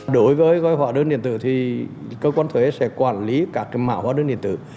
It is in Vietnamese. đối với hóa đơn điện tử thì cơ quan thuế sẽ quản lý các mã hóa đơn điện tử